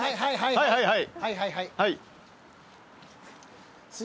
はいはいはい。